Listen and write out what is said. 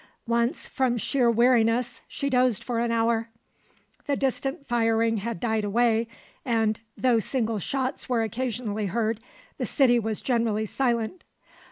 Once, from sheer weariness, she dozed for an hour. The distant firing had died away and, though single shots were occasionally heard, the city was generally silent.